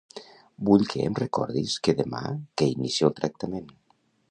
Vull que em recordis que demà que inicio el tractament.